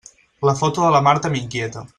La foto de la Marta m'inquieta.